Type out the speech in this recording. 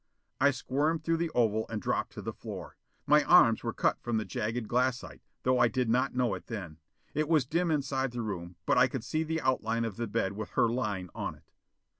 I squirmed through the oval and dropped to the floor. My arms were cut from the jagged glassite, though I did not know it then. It was dim inside the room, but I could see the outline of the bed with her lying on it.